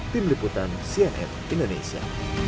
tim liputan cnf indonesia